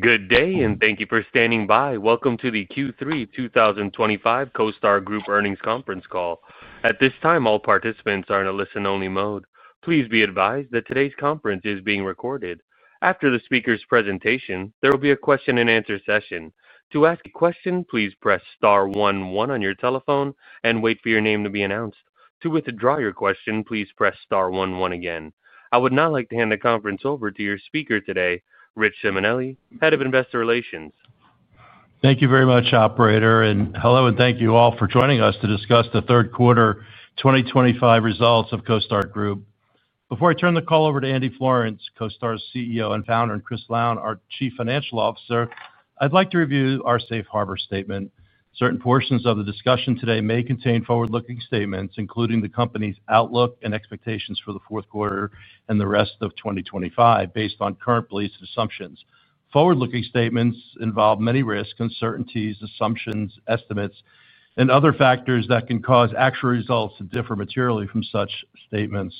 Good day, and thank you for standing by. Welcome to the Q3 2025 CoStar Group earnings conference call. At this time, all participants are in a listen-only mode. Please be advised that today's conference is being recorded. After the speaker's presentation, there will be a question-and-answer session. To ask a question, please press star one one on your telephone and wait for your name to be announced. To withdraw your question, please press star one one again. I would now like to hand the conference over to your speaker today, Rich Simonelli, Head of Investor Relations. Thank you very much, Operator, and hello and thank you all for joining us to discuss the third quarter 2025 results of CoStar Group. Before I turn the call over to Andy Florance, CoStar's CEO and founder, and Chris Lown, our Chief Financial Officer, I'd like to review our safe harbor statement. Certain portions of the discussion today may contain forward-looking statements, including the company's outlook and expectations for the fourth quarter and the rest of 2025 based on current beliefs and assumptions. Forward-looking statements involve many risks, uncertainties, assumptions, estimates, and other factors that can cause actual results to differ materially from such statements.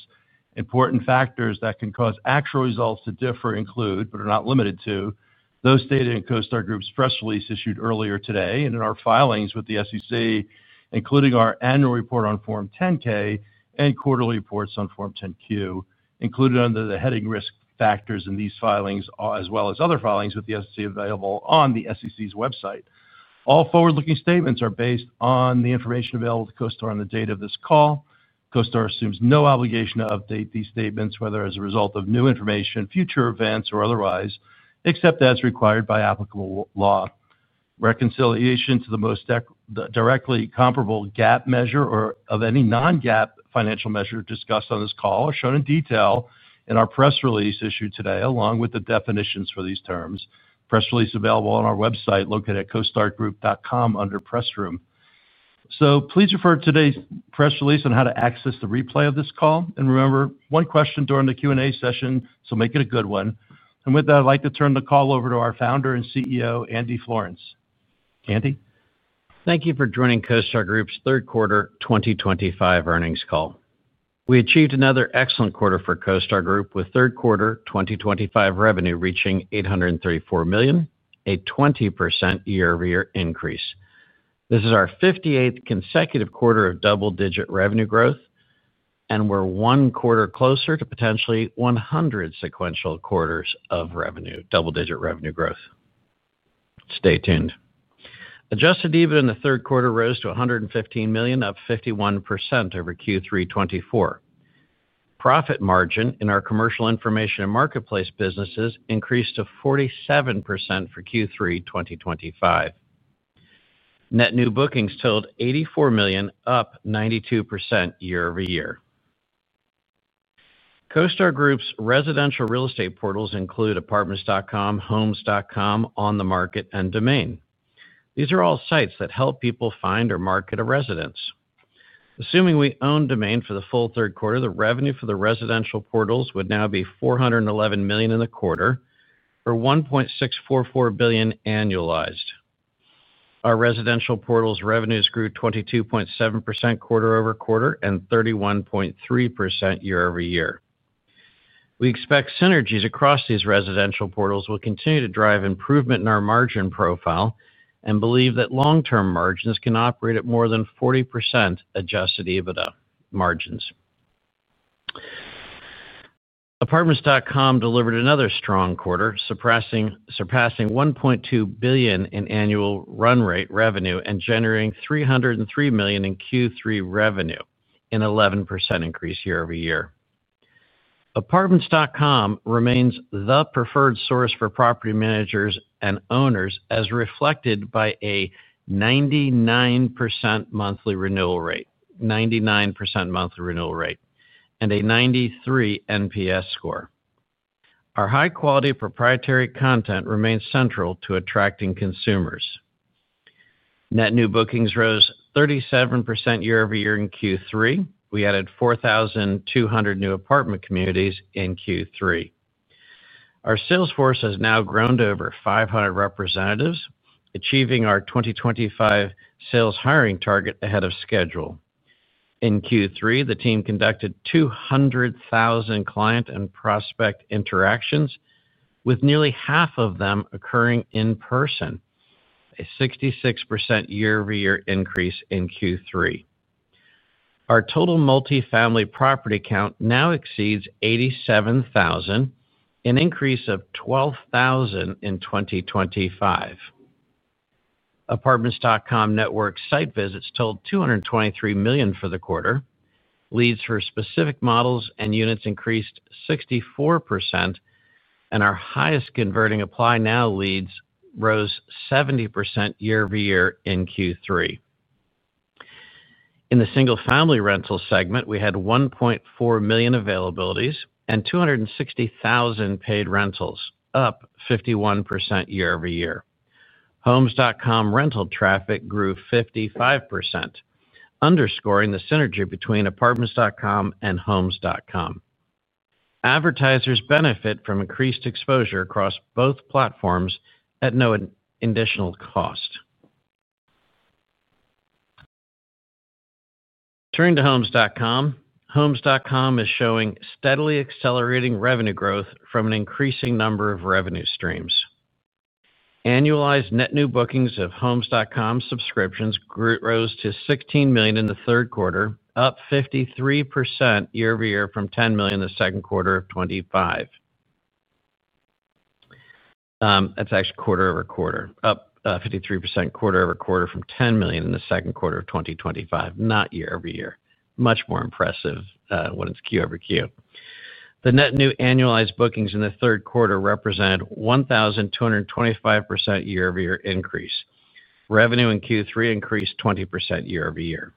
Important factors that can cause actual results to differ include, but are not limited to, those stated in CoStar Group's press release issued earlier today and in our filings with the SEC, including our annual report on Form 10-K and quarterly reports on Form 10-Q, included under the heading Risk Factors in these filings, as well as other filings with the SEC available on the SEC's website. All forward-looking statements are based on the information available to CoStar on the date of this call. CoStar assumes no obligation to update these statements, whether as a result of new information, future events, or otherwise, except as required by applicable law. Reconciliation to the most directly comparable GAAP measure or of any non-GAAP financial measure discussed on this call is shown in detail in our press release issued today, along with the definitions for these terms. Press release is available on our website located at costargroup.com under Press Room. Please refer to today's press release on how to access the replay of this call. Remember, one question during the Q&A session, so make it a good one. With that, I'd like to turn the call over to our Founder and CEO, Andy Florance. Andy? Thank you for joining CoStar Group's third quarter 2025 earnings call. We achieved another excellent quarter for CoStar Group, with third quarter 2025 revenue reaching $834 million, a 20% year-over-year increase. This is our 58th consecutive quarter of double-digit revenue growth, and we're one quarter closer to potentially 100 sequential quarters of double-digit revenue growth. Stay tuned. Adjusted EBITDA in the third quarter rose to $115 million, up 51% over Q3 2024. Profit margin in our commercial information and marketplace businesses increased to 47% for Q3 2025. Net new bookings totaled $84 million, up 92% year-over-year. CoStar Group's residential real estate portals include Apartments.com, Homes.com, OnTheMarket, and Domain. These are all sites that help people find or market a residence. Assuming we own Domain for the full third quarter, the revenue for the residential portals would now be $411 million in the quarter, or $1.644 billion annualized. Our residential portals' revenues grew 22.7% quarter-over-quarter and 31.3% year-over-year. We expect synergies across these residential portals will continue to drive improvement in our margin profile and believe that long-term margins can operate at more than 40% adjusted EBITDA margins. Apartments.com delivered another strong quarter, surpassing $1.2 billion in annual run-rate revenue and generating $303 million in Q3 revenue, an 11% increase year-over-year. Apartments.com remains the preferred source for property managers and owners, as reflected by a 99% monthly renewal rate and a 93 NPS score. Our high-quality proprietary content remains central to attracting consumers. Net new bookings rose 37% year-over-year in Q3. We added 4,200 new apartment communities in Q3. Our sales force has now grown to over 500 representatives, achieving our 2025 sales hiring target ahead of schedule. In Q3, the team conducted 200,000 client and prospect interactions, with nearly half of them occurring in person, a 66% year-over-year increase in Q3. Our total multifamily property count now exceeds 87,000, an increase of 12,000 in 2025. Apartments.com network site visits totaled 223 million for the quarter, leads for specific models and units increased 64%, and our highest converting apply now leads rose 70% year-over-year in Q3. In the single-family rental segment, we had 1.4 million availabilities and 260,000 paid rentals, up 51% year-over-year. Homes.com rental traffic grew 55%, underscoring the synergy between Apartments.com and Homes.com. Advertisers benefit from increased exposure across both platforms at no additional cost. Turning to Homes.com, Homes.com is showing steadily accelerating revenue growth from an increasing number of revenue streams. Annualized net new bookings of Homes.com subscriptions rose to $16 million in the third quarter, up 53% quarter-over-quarter from $10 million in the second quarter of year-over-year. That's actually quarter-over-quarter, up 53% quarter-over-quarter from $10 million in the second quarter of 2025, not year-over-year. Much more impressive when it's QoQ. The net new annualized bookings in the third quarter represented a 1,225% year-over-year increase. Revenue in Q3 increased 20% year-over-year.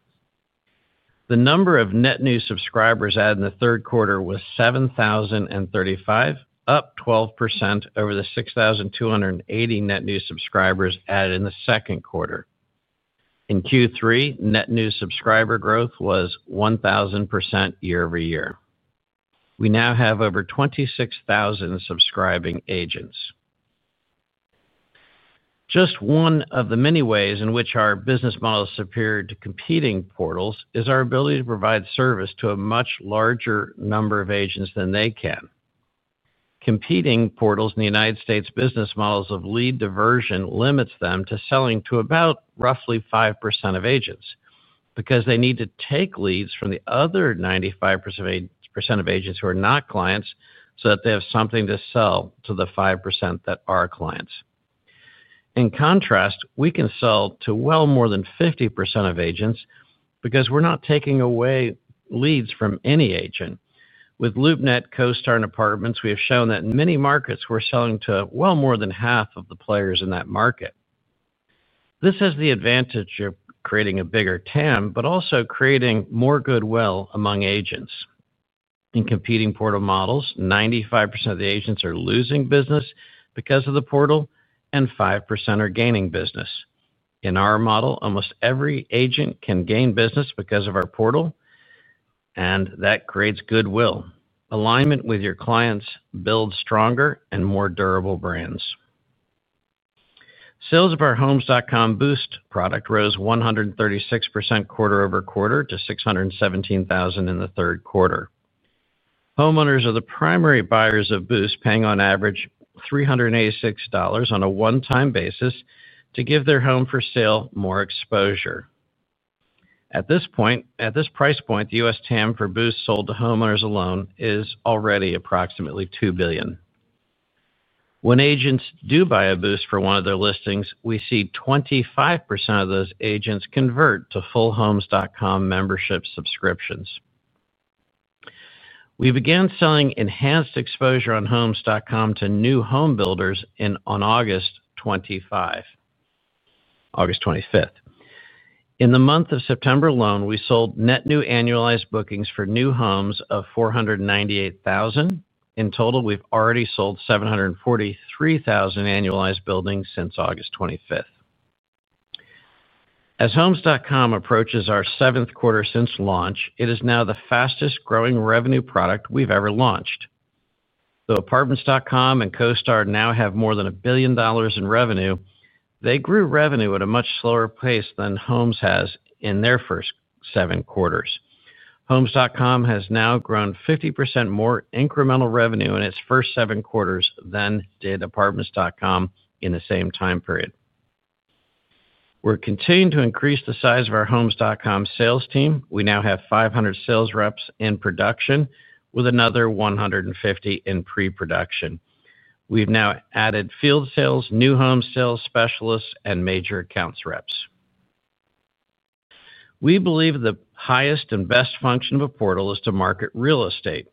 The number of net new subscribers added in the third quarter was 7,035, up 12% over the 6,280 net new subscribers added in the second quarter. In Q3, net new subscriber growth was 1,000% year-over-year. We now have over 26,000 subscribing agents. Just one of the many ways in which our business model is superior to competing portals is our ability to provide service to a much larger number of agents than they can. Competing portals in the U.S. business models of lead diversion limit them to selling to about roughly 5% of agents because they need to take leads from the other 95% of agents who are not clients so that they have something to sell to the 5% that are clients. In contrast, we can sell to well more than 50% of agents because we're not taking away leads from any agent. With LoopNet, CoStar, and Apartments, we have shown that in many markets we're selling to well more than half of the players in that market. This has the advantage of creating a bigger TAM, but also creating more goodwill among agents. In competing portal models, 95% of the agents are losing business because of the portal and 5% are gaining business. In our model, almost every agent can gain business because of our portal, and that creates goodwill. Alignment with your clients builds stronger and more durable brands. Sales of our Homes.com Boost product rose 136% quarter-over-quarter to $617,000 in the third quarter. Homeowners are the primary buyers of Boost, paying on average $386 on a one-time basis to give their home for sale more exposure. At this price point, the U.S. TAM for Boost sold to homeowners alone is already approximately $2 billion. When agents do buy a Boost for one of their listings, we see 25% of those agents convert to full Homes.com membership subscriptions. We began selling enhanced exposure on Homes.com to new home builders on August 25th. In the month of September alone, we sold net new annualized bookings for new homes of $498,000. In total, we've already sold $743,000 annualized bookings since August 25th. As Homes.com approaches our seventh quarter since launch, it is now the fastest-growing revenue product we've ever launched. Though Apartments.com and CoStar now have more than $1 billion in revenue, they grew revenue at a much slower pace than Homes.com has in their first seven quarters. Homes.com has now grown 50% more incremental revenue in its first seven quarters than did Apartments.com in the same time period. We're continuing to increase the size of our Homes.com sales team. We now have 500 sales reps in production, with another 150 in pre-production. We've now added field sales, new home sales specialists, and major accounts reps. We believe the highest and best function of a portal is to market real estate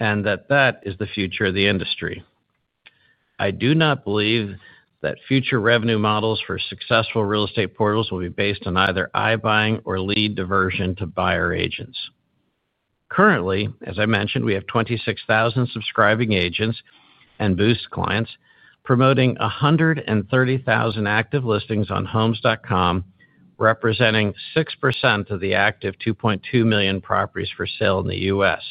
and that that is the future of the industry. I do not believe that future revenue models for successful real estate portals will be based on either iBuying or lead diversion to buyer agents. Currently, as I mentioned, we have 26,000 subscribing agents and Boost clients promoting 130,000 active listings on Homes.com, representing 6% of the active 2.2 million properties for sale in the U.S.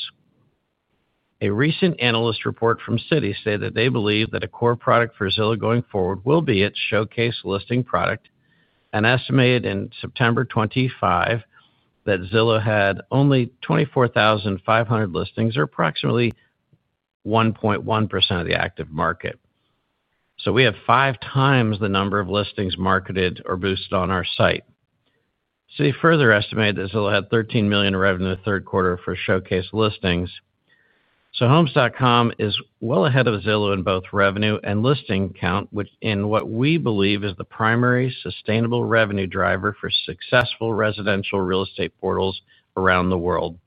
A recent analyst report from Citi stated that they believe that a core product for Zillow going forward will be its showcase listing product, and estimated in September 2025 that Zillow had only 24,500 listings, or approximately 1.1% of the active market. We have fivex the number of listings marketed or Boost on our site. Citi further estimated that Zillow had $13 million in revenue in the third quarter for showcase listings. Homes.com is well ahead of Zillow in both revenue and listing count, which is what we believe is the primary sustainable revenue driver for successful residential real estate portals around the world.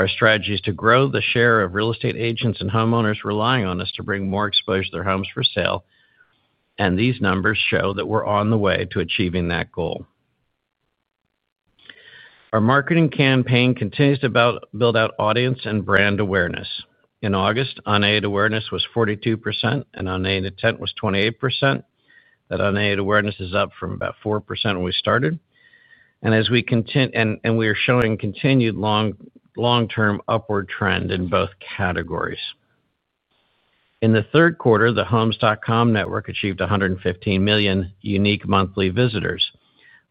Our strategy is to grow the share of real estate agents and homeowners relying on us to bring more exposure to their homes for sale, and these numbers show that we're on the way to achieving that goal. Our marketing campaign continues to build out audience and brand awareness. In August, unaided awareness was 42% and unaided attention was 28%. That unaided awareness is up from about 4% when we started, and we are showing a continued long-term upward trend in both categories. In the third quarter, the Homes.com network achieved 115 million unique monthly visitors.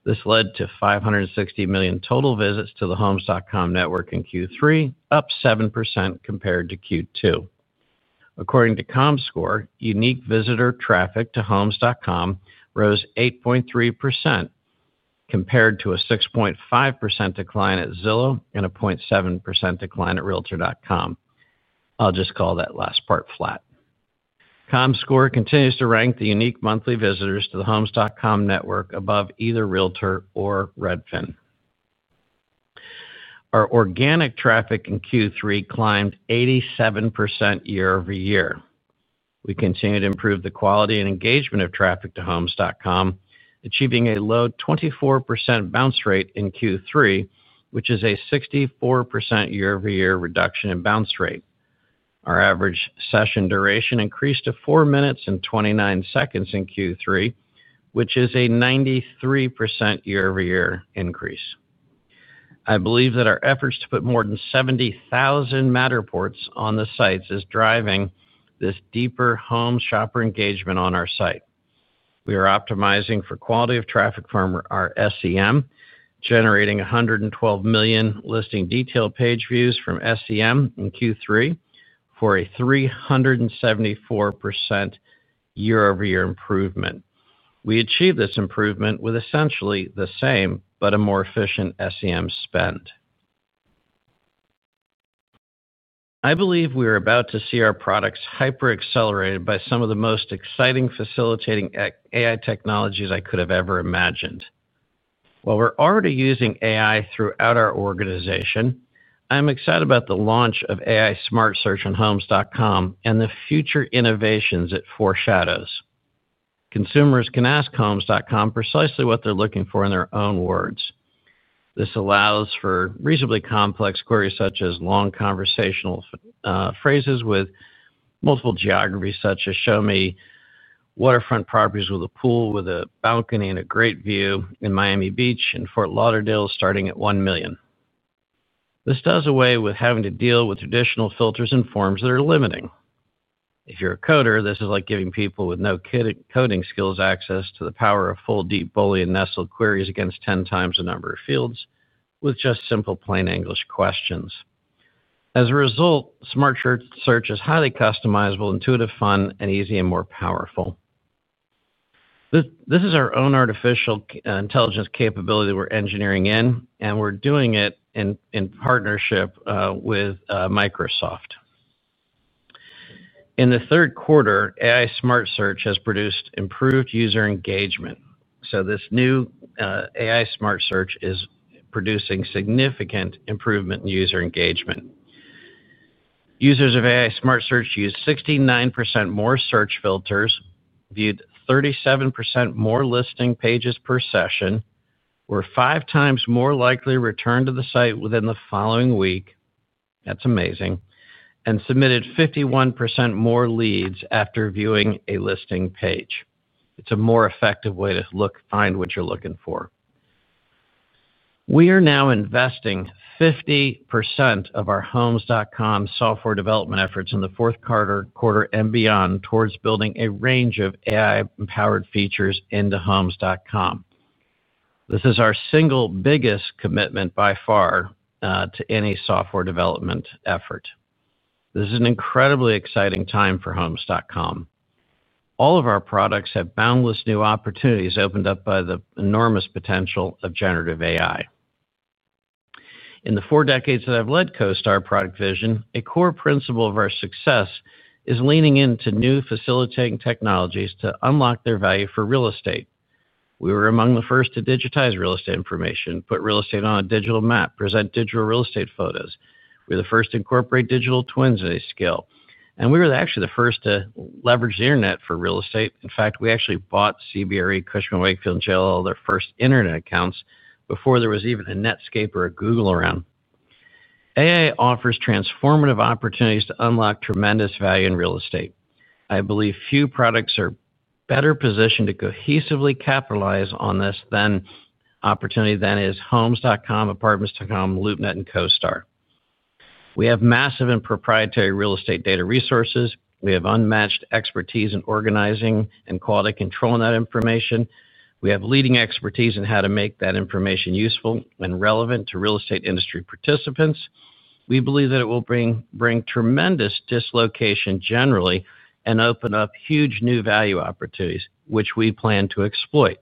This led to 560 million total visits to the Homes.com network in Q3, up 7% compared to Q2. According to Comscore, unique visitor traffic to Homes.com rose 8.3% compared to a 6.5% decline at Zillow and a 0.7% decline at Realtor.com. I'll just call that last part flat. Comscore continues to rank the unique monthly visitors to the Homes.com network above either Realtor or Redfin. Our organic traffic in Q3 climbed 87% year-over-year. We continue to improve the quality and engagement of traffic to Homes.com, achieving a low 24% bounce rate in Q3, which is a 64% year-over-year reduction in bounce rate. Our average session duration increased to 4 minutes and 29 seconds in Q3, which is a 93% year-over-year increase. I believe that our efforts to put more than 70,000 Matterports on the sites are driving this deeper home shopper engagement on our site. We are optimizing for quality of traffic from our SEM, generating 112 million listing detail page views from SEM in Q3 for a 374% year-over-year improvement. We achieve this improvement with essentially the same, but a more efficient SEM spend. I believe we are about to see our products hyper-accelerated by some of the most exciting facilitating AI technologies I could have ever imagined. While we're already using AI throughout our organization, I'm excited about the launch of AI Smart Search on Homes.com and the future innovations it foreshadows. Consumers can ask Homes.com precisely what they're looking for in their own words. This allows for reasonably complex queries such as long conversational phrases with multiple geographies such as, "Show me waterfront properties with a pool with a balcony and a great view in Miami Beach and Fort Lauderdale starting at $1 million." This does away with having to deal with traditional filters and forms that are limiting. If you're a coder, this is like giving people with no coding skills access to the power of full deep Boolean nestled queries against 10x the number of fields with just simple plain English questions. As a result, Smart Search is highly customizable, intuitive, fun, and easy, and more powerful. This is our own artificial intelligence capability that we're engineering in, and we're doing it in partnership with Microsoft. In the third quarter, AI Smart Search has produced improved user engagement. This new AI Smart Search is producing significant improvement in user engagement. Users of AI Smart Search use 69% more search filters, viewed 37% more listing pages per session, and were 5x more likely to return to the site within the following week. That's amazing. Users submitted 51% more leads after viewing a listing page. It's a more effective way to find what you're looking for. We are now investing 50% of our Homes.com software development efforts in the fourth quarter and beyond towards building a range of AI-empowered features into Homes.com. This is our single biggest commitment by far to any software development effort. This is an incredibly exciting time for Homes.com. All of our products have boundless new opportunities opened up by the enormous potential of generative AI. In the four decades that I've led CoStar Product Vision, a core principle of our success is leaning into new facilitating technologies to unlock their value for real estate. We were among the first to digitize real estate information, put real estate on a digital map, and present digital real estate photos. We're the first to incorporate digital twins at a scale, and we were actually the first to leverage the internet for real estate. In fact, we actually bought CBRE, Cushman & Wakefield, and JLL, their first internet accounts before there was even a Netscape or a Google around. AI offers transformative opportunities to unlock tremendous value in real estate. I believe few products are better positioned to cohesively capitalize on this opportunity than Homes.com, Apartments.com, LoopNet, and CoStar. We have massive and proprietary real estate data resources. We have unmatched expertise in organizing and quality control in that information. We have leading expertise in how to make that information useful and relevant to real estate industry participants. We believe that it will bring tremendous dislocation generally and open up huge new value opportunities, which we plan to exploit.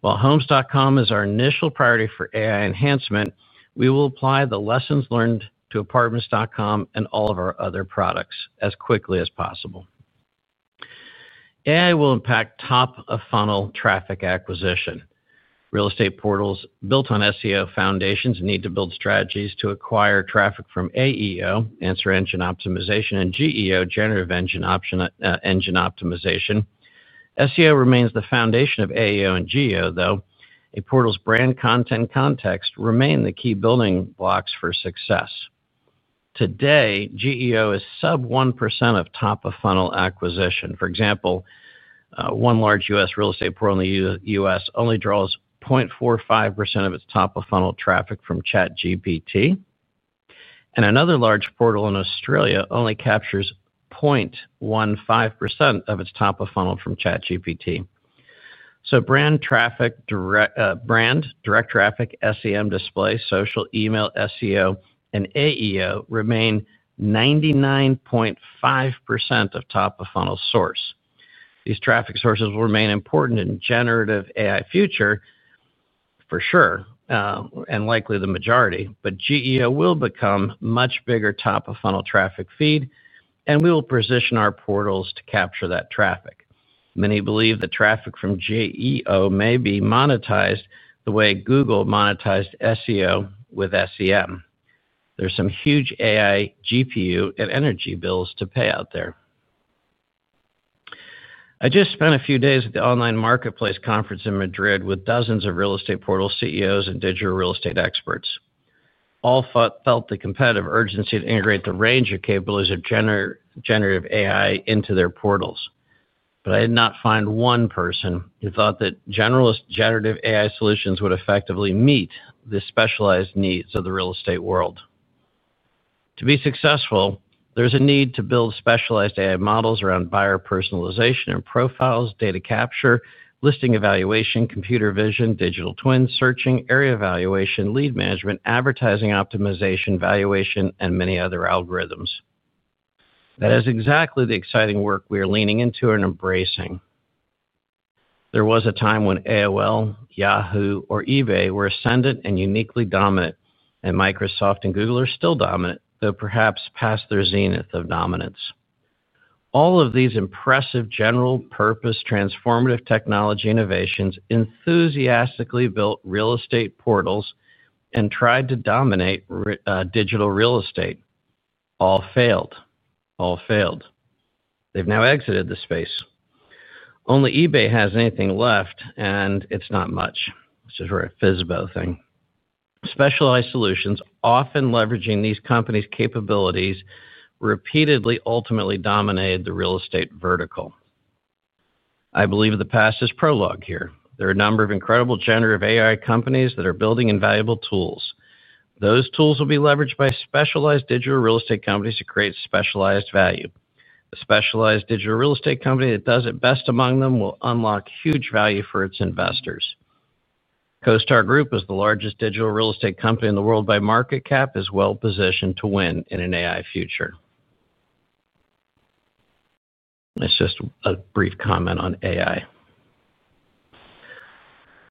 While Homes.com is our initial priority for AI enhancement, we will apply the lessons learned to Apartments.com and all of our other products as quickly as possible. AI will impact top-of-funnel traffic acquisition. Real estate portals built on SEO foundations need to build strategies to acquire traffic from AEO, answer engine optimization, and GEO, generative engine optimization. SEO remains the foundation of AEO and GEO, though a portal's brand, content, and context remain the key building blocks for success. Today, GEO is sub-1% of top-of-funnel acquisition. For example, one large U.S. real estate portal only draws 0.45% of its top-of-funnel traffic from ChatGPT, and another large portal in Australia only captures 0.15% of its top-of-funnel from ChatGPT. Brand traffic, direct traffic, SEM, display, social, email, SEO, and AEO remain 99.5% of top-of-funnel source. These traffic sources will remain important in the generative AI future for sure, and likely the majority, but GEO will become a much bigger top-of-funnel traffic feed, and we will position our portals to capture that traffic. Many believe that traffic from GEO may be monetized the way Google monetized SEO with SEM. There are some huge AI, GPU, and energy bills to pay out there. I just spent a few days at the online marketplace conference in Madrid with dozens of real estate portal CEOs and digital real estate experts. All felt the competitive urgency to integrate the range of capabilities of generative AI into their portals, but I did not find one person who thought that generalist generative AI solutions would effectively meet the specialized needs of the real estate world. To be successful, there's a need to build specialized AI models around buyer personalization and profiles, data capture, listing evaluation, computer vision, digital twin searching, area evaluation, lead management, advertising optimization, valuation, and many other algorithms. That is exactly the exciting work we are leaning into and embracing. There was a time when AOL, Yahoo, or eBay were ascendant and uniquely dominant, and Microsoft and Google are still dominant, though perhaps past their zenith of dominance. All of these impressive general purpose transformative technology innovations enthusiastically built real estate portals and tried to dominate digital real estate. All failed. They've now exited the space. Only eBay has anything left, and it's not much. This is where a FSBO thing. Specialized solutions, often leveraging these companies' capabilities, repeatedly ultimately dominated the real estate vertical. I believe the past is prologue here. There are a number of incredible generative AI companies that are building invaluable tools. Those tools will be leveraged by specialized digital real estate companies to create specialized value. A specialized digital real estate company that does it best among them will unlock huge value for its investors. CoStar Group is the largest digital real estate company in the world by market cap, is well positioned to win in an AI future. It's just a brief comment on AI.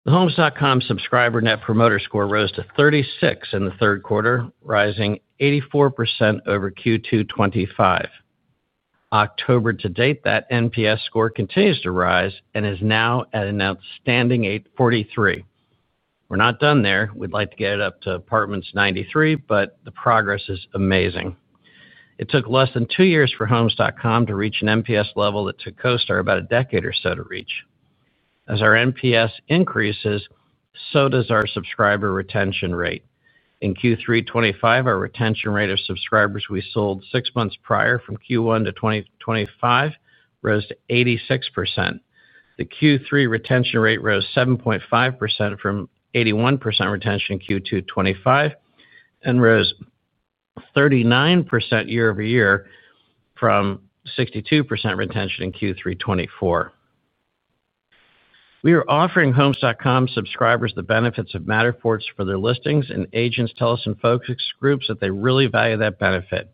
The Homes.com subscriber net promoter score rose to 36 in the third quarter, rising 84% over Q2 2025. October to date, that NPS score continues to rise and is now at an outstanding 43. We're not done there. We'd like to get it up to Apartments.com 93, but the progress is amazing. It took less than two years for Homes.com to reach an NPS level that took CoStar about a decade or so to reach. As our NPS increases, so does our subscriber retention rate. In Q3 2025, our retention rate of subscribers we sold six months prior from Q1 to 2025 rose to 86%. The Q3 retention rate rose 7.5% from 81% retention in Q2 2025 and rose 39% year-over-year from 62% retention in Q3 2024. We are offering Homes.com subscribers the benefits of Matterport for their listings, and agents tell us in focus groups that they really value that benefit.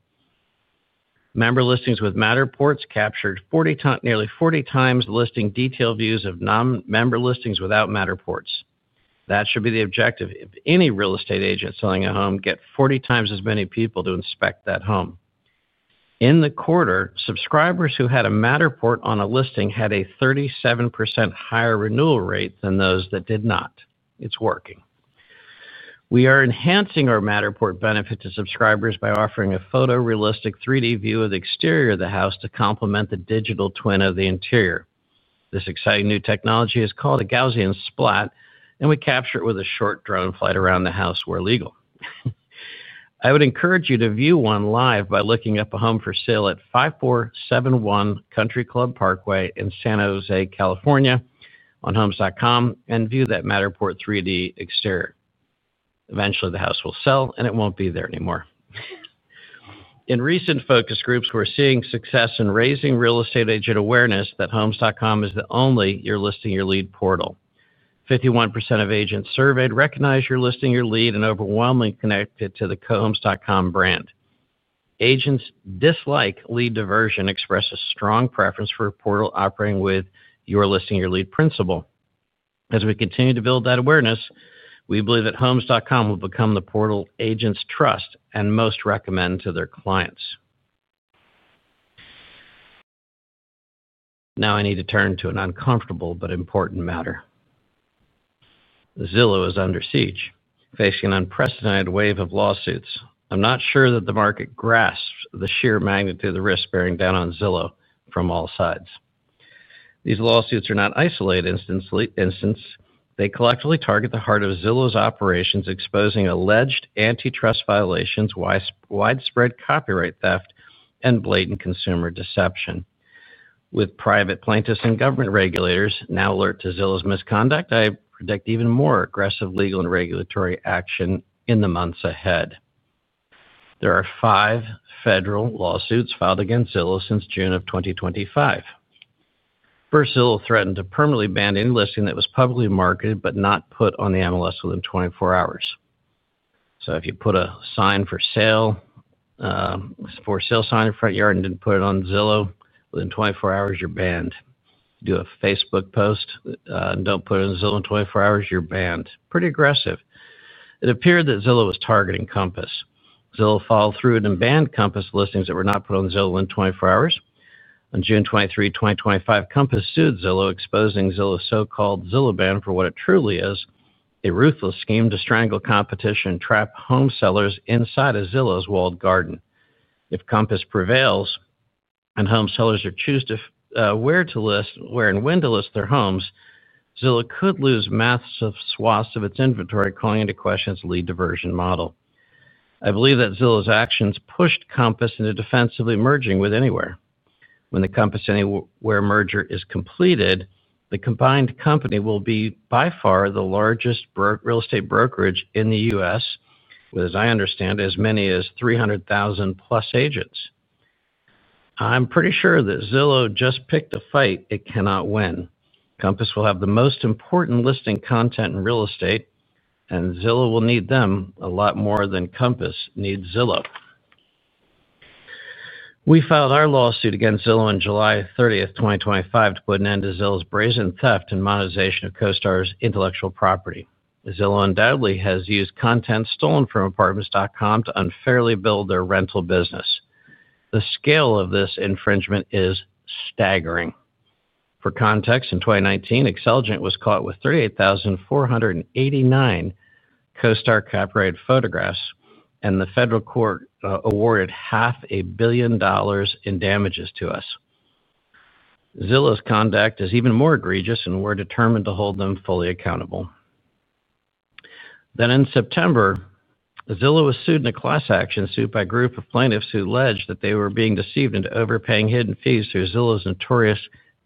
Member listings with Matterport captured nearly 40x the listing detail views of non-member listings without Matterport. That should be the objective. If any real estate agent is selling a home, get 40x as many people to inspect that home. In the quarter, subscribers who had a Matterport on a listing had a 37% higher renewal rate than those that did not. It's working. We are enhancing our Matterport benefit to subscribers by offering a photorealistic 3D view of the exterior of the house to complement the digital twin of the interior. This exciting new technology is called the Gaussian Splat, and we capture it with a short drone flight around the house where legal. I would encourage you to view one live by looking up a home for sale at 5471 Country Club Parkway in San Jose, California, on Homes.com, and view that Matterport 3D exterior. Eventually, the house will sell and it won't be there anymore. In recent focus groups, we're seeing success in raising real estate agent awareness that Homes.com is the only your listing your lead portal. 51% of agents surveyed recognize your listing your lead and overwhelmingly connected to the Homes.com brand. Agents dislike lead diversion, express a strong preference for a portal operating with your listing your lead principle. As we continue to build that awareness, we believe that Homes.com will become the portal agents trust and most recommend to their clients. Now I need to turn to an uncomfortable but important matter. Zillow is under siege, facing an unprecedented wave of lawsuits. I'm not sure that the market grasps the sheer magnitude of the risk bearing down on Zillow from all sides. These lawsuits are not isolated instances. They collectively target the heart of Zillow's operations, exposing alleged antitrust violations, widespread copyright theft, and blatant consumer deception. With private plaintiffs and government regulators now alert to Zillow's misconduct, I predict even more aggressive legal and regulatory action in the months ahead. There are five federal lawsuits filed against Zillow since June of 2025. First, Zillow threatened to permanently ban any listing that was publicly marketed but not put on the MLS within 24 hours. If you put a for sale sign in the front yard and didn't put it on Zillow within 24 hours, you're banned. If you do a Facebook post and don't put it on Zillow in 24 hours, you're banned. Pretty aggressive. It appeared that Zillow was targeting Compass. Zillow followed through and banned Compass listings that were not put on Zillow in 24 hours. On June 23, 2025, Compass sued Zillow, exposing Zillow's so-called Zillow ban for what it truly is: a ruthless scheme to strangle competition and trap home sellers inside of Zillow's walled garden. If Compass prevails and home sellers are choosing where to list, where and when to list their homes, Zillow could lose massive swaths of its inventory, calling into question its lead diversion model. I believe that Zillow's actions pushed Compass into defensively merging with Anywhere. When the Compass Anywhere merger is completed, the combined company will be by far the largest real estate brokerage in the U.S., with, as I understand, as many as 300,000 plus agents. I'm pretty sure that Zillow just picked a fight it cannot win. Compass will have the most important listing content in real estate, and Zillow will need them a lot more than Compass needs Zillow. We filed our lawsuit against Zillow on July 30th, 2025, to put an end to Zillow's brazen theft and monetization of CoStar's intellectual property. Zillow undoubtedly has used content stolen from Apartments.com to unfairly build their rental business. The scale of this infringement is staggering. For context, in 2019, Xceligent was caught with 38,489 CoStar copyright photographs, and the federal court awarded $500 million in damages to us. Zillow's conduct is even more egregious, and we're determined to hold them fully accountable. In September, Zillow was sued in a class action suit by a group of plaintiffs who alleged that they were being deceived into overpaying hidden fees through Zillow's notorious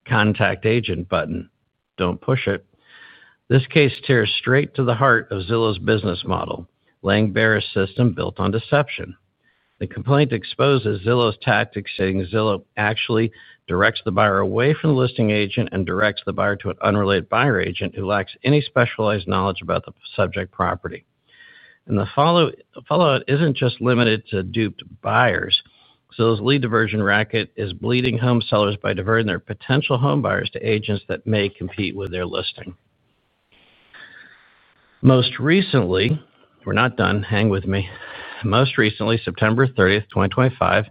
contact agent button. This case tears straight to the heart of Zillow's business model, laying bare a system built on deception. The complaint exposes Zillow's tactics, saying Zillow actually directs the buyer away from the listing agent and directs the buyer to an unrelated buyer agent who lacks any specialized knowledge about the subject property. The fallout isn't just limited to duped buyers. Zillow's lead diversion racket is bleeding home sellers by diverting their potential home buyers to agents that may compete with their listing. Most recently, September 30th, 2025,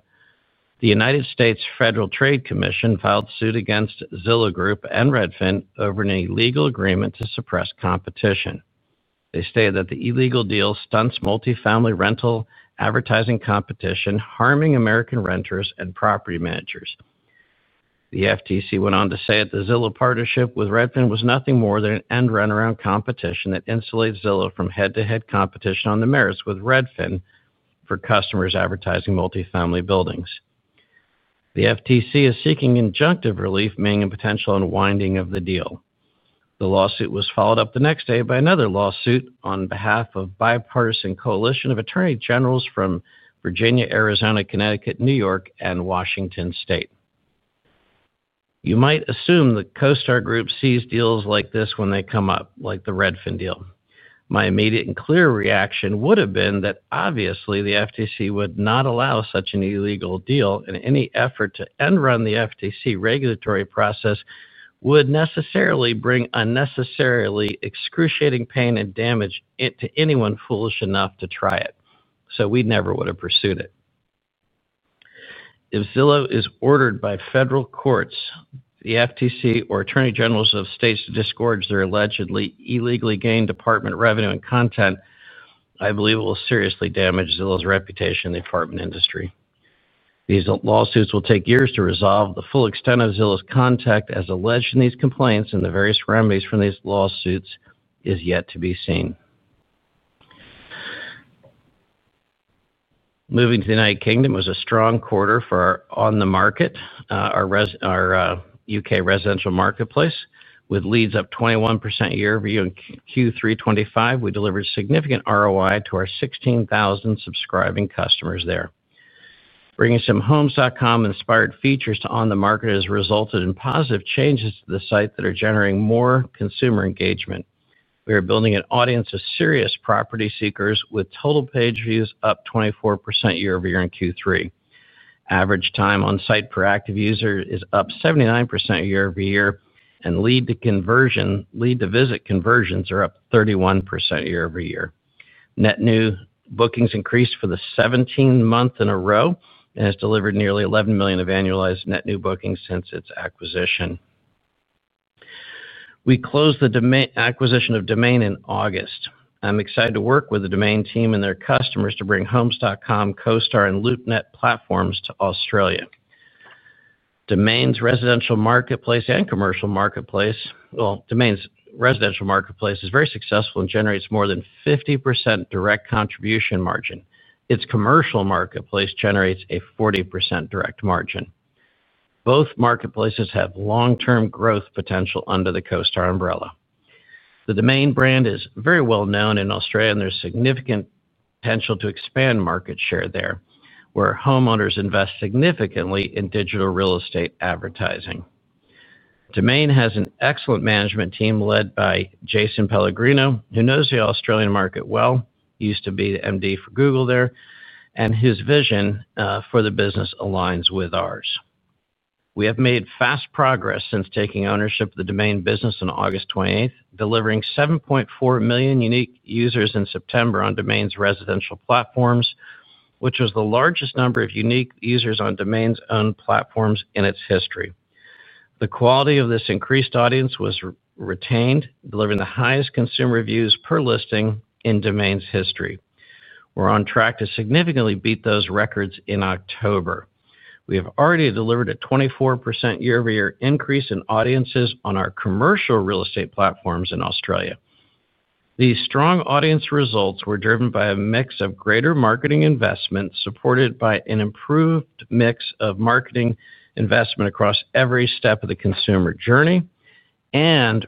the United States Federal Trade Commission filed suit against Zillow Group and Redfin over an illegal agreement to suppress competition. They stated that the illegal deal stunts multifamily rental advertising competition, harming American renters and property managers. The FTC went on to say that the Zillow partnership with Redfin was nothing more than an end run around competition that insulates Zillow from head-to-head competition on the merits with Redfin for customers advertising multifamily buildings. The FTC is seeking injunctive relief, meaning a potential unwinding of the deal. The lawsuit was followed up the next day by another lawsuit on behalf of a bipartisan coalition of attorney generals from Virginia, Arizona, Connecticut, New York, and Washington State. You might assume that CoStar Group sees deals like this when they come up, like the Redfin deal. My immediate and clear reaction would have been that obviously the FTC would not allow such an illegal deal, and any effort to end run the FTC regulatory process would necessarily bring unnecessarily excruciating pain and damage to anyone foolish enough to try it. We never would have pursued it. If Zillow is ordered by federal courts, the FTC, or attorney generals of states to discourage their allegedly illegally gained apartment revenue and content, I believe it will seriously damage Zillow's reputation in the apartment industry. These lawsuits will take years to resolve. The full extent of Zillow's conduct as alleged in these complaints and the various remedies from these lawsuits is yet to be seen. Moving to the United Kingdom, it was a strong quarter for OnTheMarket, our U.K. residential marketplace. With leads up 21% year-over-year in Q3 2025, we delivered significant ROI to our 16,000 subscribing customers there. Bringing some Homes.com-inspired features to OnTheMarket has resulted in positive changes to the site that are generating more consumer engagement. We are building an audience of serious property seekers with total page views up 24% year-over-year in Q3. Average time on site per active user is up 79% year-over-year, and lead-to-visit conversions are up 31% year-over-year. Net new bookings increased for the 17th month in a row and has delivered nearly $11 million of annualized net new bookings since its acquisition. We closed the acquisition of Domain in August. I'm excited to work with the Domain team and their customers to bring Homes.com, CoStar, and LoopNet platforms to Australia. Domain's residential marketplace and commercial marketplace, Domain's residential marketplace is very successful and generates more than 50% direct contribution margin. Its commercial marketplace generates a 40% direct margin. Both marketplaces have long-term growth potential under the CoStar umbrella. The Domain brand is very well known in Australia, and there's significant potential to expand market share there, where homeowners invest significantly in digital real estate advertising. Domain has an excellent management team led by Jason Pellegrino, who knows the Australian market well. He used to be the MD for Google there, and his vision for the business aligns with ours. We have made fast progress since taking ownership of the Domain business on August 28th, delivering 7.4 million unique users in September on Domain's residential platforms, which was the largest number of unique users on Domain's own platforms in its history. The quality of this increased audience was retained, delivering the highest consumer reviews per listing in Domain's history. We're on track to significantly beat those records in October. We have already delivered a 24% year-over-year increase in audiences on our commercial real estate platforms in Australia. These strong audience results were driven by a mix of greater marketing investment supported by an improved mix of marketing investment across every step of the consumer journey and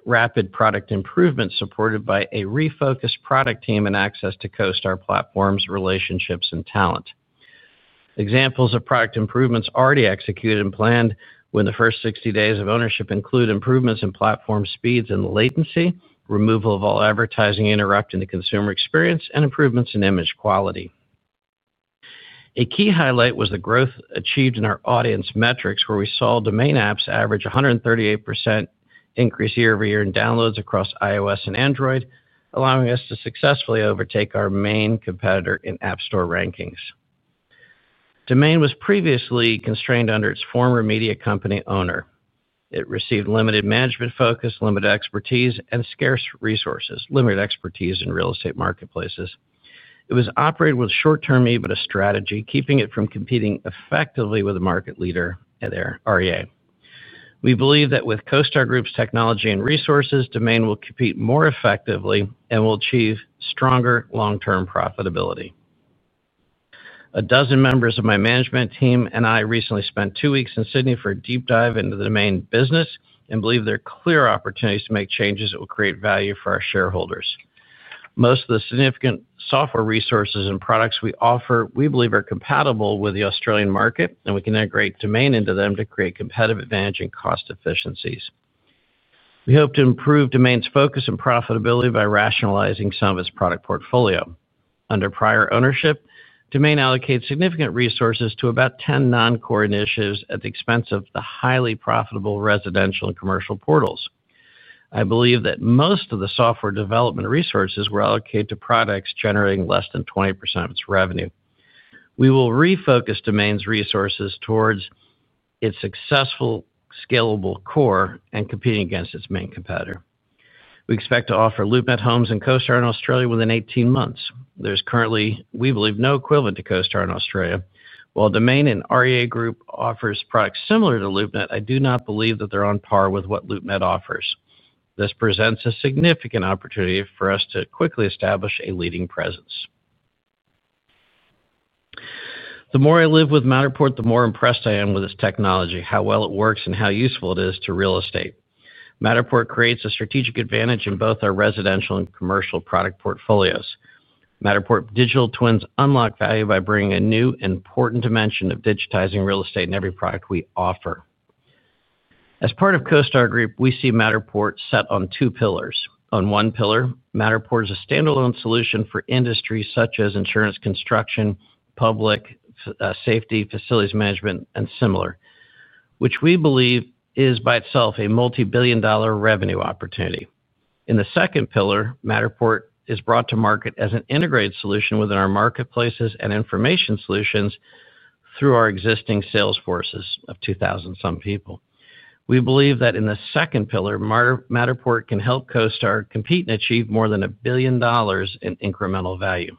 rapid product improvement supported by a refocused product team and access to CoStar platforms, relationships, and talent. Examples of product improvements already executed and planned within the first 60 days of ownership include improvements in platform speeds and latency, removal of all advertising interrupting the consumer experience, and improvements in image quality. A key highlight was the growth achieved in our audience metrics, where we saw Domain apps average 138% increase year-over-year in downloads across iOS and Android, allowing us to successfully overtake our main competitor in App Store rankings. Domain was previously constrained under its former media company owner. It received limited management focus, limited expertise, and scarce resources, limited expertise in real estate marketplaces. It was operated with short-term EBITDA strategy, keeping it from competing effectively with the market leader at REA Group. We believe that with CoStar Group's technology and resources, Domain will compete more effectively and will achieve stronger long-term profitability. A dozen members of my management team and I recently spent two weeks in Sydney for a deep dive into the Domain business and believe there are clear opportunities to make changes that will create value for our shareholders. Most of the significant software resources and products we offer, we believe, are compatible with the Australian market, and we can integrate Domain into them to create competitive advantage and cost efficiencies. We hope to improve Domain's focus and profitability by rationalizing some of its product portfolio. Under prior ownership, Domain allocated significant resources to about 10 non-core initiatives at the expense of the highly profitable residential and commercial portals. I believe that most of the software development resources were allocated to products generating less than 20% of its revenue. We will refocus Domain's resources towards its successful scalable core and competing against its main competitor. We expect to offer LoopNet, Homes.com, and CoStar in Australia within 18 months. There is currently, we believe, no equivalent to CoStar in Australia. While Domain and REA Group offer products similar to LoopNet, I do not believe that they're on par with what LoopNet offers. This presents a significant opportunity for us to quickly establish a leading presence. The more I live with Matterport, the more impressed I am with its technology, how well it works, and how useful it is to real estate. Matterport creates a strategic advantage in both our residential and commercial product portfolios. Matterport digital twins unlock value by bringing a new and important dimension of digitizing real estate in every product we offer. As part of CoStar Group, we see Matterport set on two pillars. On one pillar, Matterport is a standalone solution for industries such as insurance, construction, public safety, facilities management, and similar, which we believe is by itself a multi-billion dollar revenue opportunity. In the second pillar, Matterport is brought to market as an integrated solution within our marketplaces and information solutions through our existing sales forces of 2,000 some people. We believe that in the second pillar, Matterport can help CoStar compete and achieve more than a billion dollars in incremental value.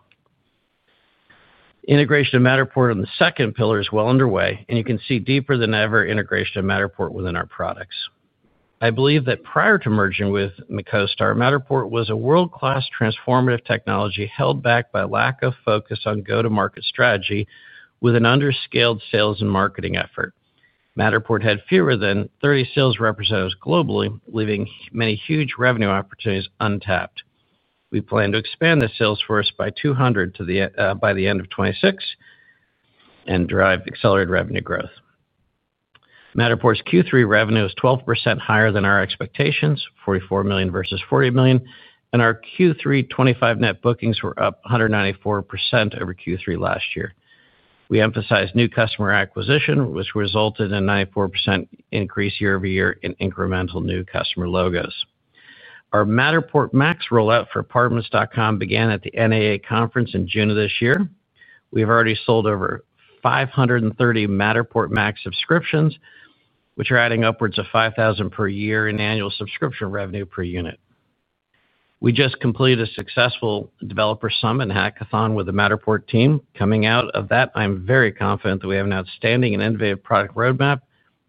Integration of Matterport on the second pillar is well underway, and you can see deeper than ever integration of Matterport within our products. I believe that prior to merging with CoStar, Matterport was a world-class transformative technology held back by lack of focus on go-to-market strategy with an under-scaled sales and marketing effort. Matterport had fewer than 30 sales representatives globally, leaving many huge revenue opportunities untapped. We plan to expand the sales force by 200 by the end of 2026 and drive accelerated revenue growth. Matterport's Q3 revenue is 12% higher than our expectations, $44 million versus $40 million, and our Q3 2025 net bookings were up 194% over Q3 last year. We emphasize new customer acquisition, which resulted in a 94% increase year-over-year in incremental new customer logos. Our Matterport Max rollout for Apartments.com began at the NAA conference in June of this year. We have already sold over 530 Matterport Max subscriptions, which are adding upwards of $5,000 per year in annual subscription revenue per unit. We just completed a successful developer summit and hackathon with the Matterport team. Coming out of that, I'm very confident that we have an outstanding and innovative product roadmap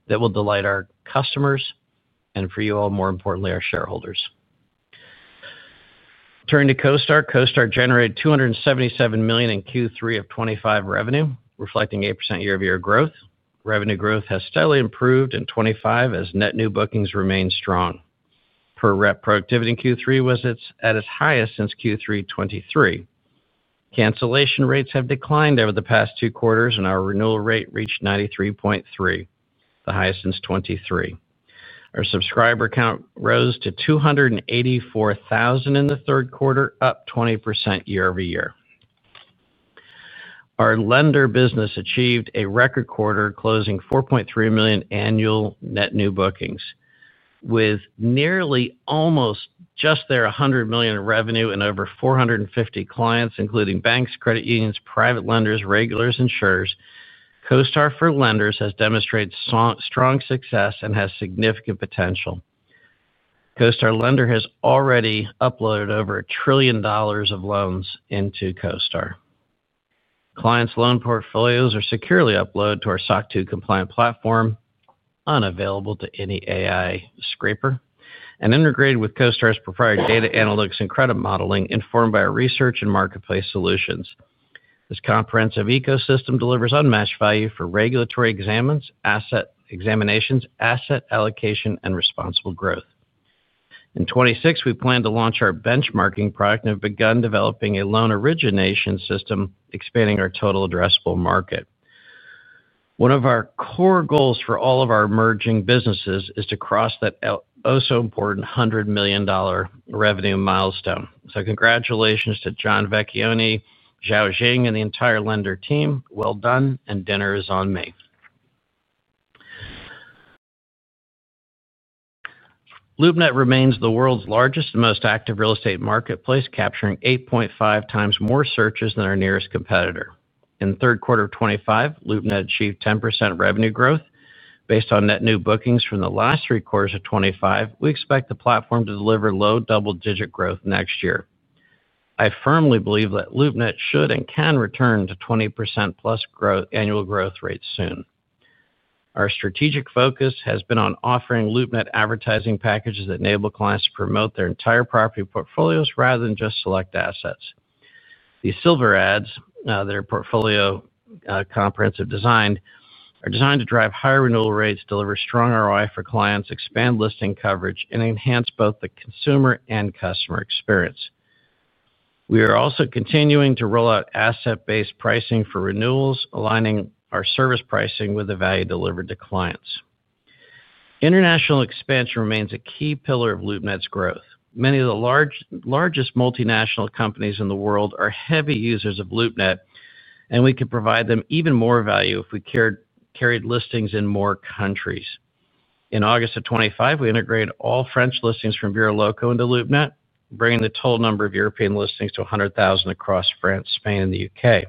that will delight our customers and, for you all, more importantly, our shareholders. Turning to CoStar, CoStar generated $277 million in Q3 of 2025 revenue, reflecting 8% year-over-year growth. Revenue growth has steadily improved in 2025 as net new bookings remain strong. Per rep productivity in Q3 was at its highest since Q3 2023. Cancellation rates have declined over the past two quarters, and our renewal rate reached 93.3%, the highest since 2023. Our subscriber count rose to 284,000 in the third quarter, up 20% year-over-year. Our lender business achieved a record quarter, closing $4.3 million annual net new bookings. With nearly $100 million in revenue and over 450 clients, including banks, credit unions, private lenders, regulators, and insurers, CoStar for lenders has demonstrated strong success and has significant potential. CoStar lender has already uploaded over a trillion dollars of loans into CoStar. Clients' loan portfolios are securely uploaded to our SOC 2 compliant platform, unavailable to any AI scraper, and integrated with CoStar's proprietary data analytics and credit modeling, informed by our research and marketplace solutions. This comprehensive ecosystem delivers unmatched value for regulatory examinations, asset examinations, asset allocation, and responsible growth. In 2026, we plan to launch our benchmarking product and have begun developing a loan origination system, expanding our total addressable market. One of our core goals for all of our emerging businesses is to cross that oh-so-important $100 million revenue milestone. Congratulations to John Vecchioni, Zhao Zheng, and the entire lender team. Well done, and dinner is on me. LoopNet remains the world's largest and most active real estate marketplace, capturing 8.5x more searches than our nearest competitor. In the third quarter of 2025, LoopNet achieved 10% revenue growth based on net new bookings from the last three quarters of 2025. We expect the platform to deliver low double-digit growth next year. I firmly believe that LoopNet should and can return to 20%+ annual growth rates soon. Our strategic focus has been on offering LoopNet advertising packages that enable clients to promote their entire property portfolios rather than just select assets. These silver ads that are portfolio comprehensive designed are designed to drive higher renewal rates, deliver strong ROI for clients, expand listing coverage, and enhance both the consumer and customer experience. We are also continuing to roll out asset-based pricing for renewals, aligning our service pricing with the value delivered to clients. International expansion remains a key pillar of LoopNet's growth. Many of the largest multinational companies in the world are heavy users of LoopNet, and we can provide them even more value if we carried listings in more countries. In August of 2025, we integrated all French listings from Vero Loco into LoopNet, bringing the total number of European listings to 100,000 across France, Spain, and the U.K.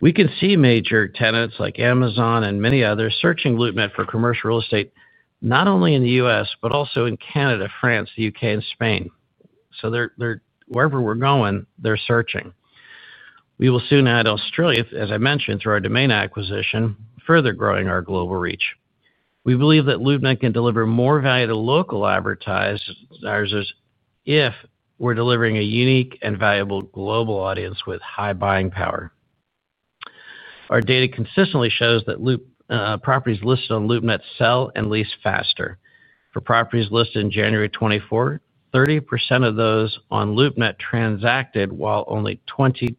We can see major tenants like Amazon and many others searching LoopNet for commercial real estate not only in the U.S., but also in Canada, France, the U.K., and Spain. Wherever we're going, they're searching. We will soon add Australia, as I mentioned, through our Domain Holdings acquisition, further growing our global reach. We believe that LoopNet can deliver more value to local advertisers if we're delivering a unique and valuable global audience with high buying power. Our data consistently shows that properties listed on LoopNet sell and lease faster. For properties listed in January 2024, 30% of those on LoopNet transacted, while only 22%